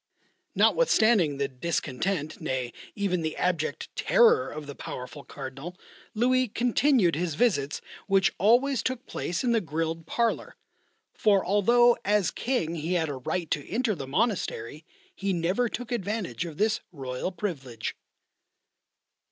Notwithstanding the discontent nay, even the abject terror of the powerful Cardinal, Louis continued his visits, which always took place in the grilled parlour: for although as King he had a right to enter the monastery he never took advantage of this royal privilege.